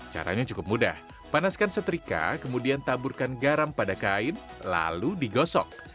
caranya cukup mudah panaskan setrika kemudian taburkan garam pada kain lalu digosok